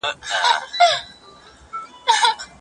نوي جوړ سوي روغتونونه او ښوونځي په پيسو نه پلورل کيږي.